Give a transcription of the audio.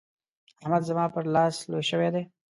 احمد زما پر لاس لوی شوی دی.